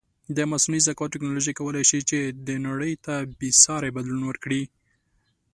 د مصنوعې زکاوت ټکنالوژی کولی شې چې نړی ته بیساری بدلون ورکړې